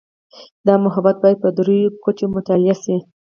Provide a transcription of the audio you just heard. دا مبحث باید په درېیو کچو مطالعه شي.